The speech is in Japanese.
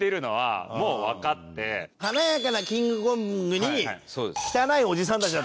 華やかなキングコングに汚いおじさんたちだったから。